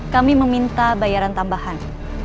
kami meminta bayaran tambahan